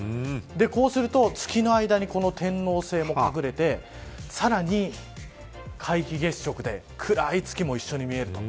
こうすると月の間に天王星も隠れてさらに皆既月食で暗い月も一緒に見えると。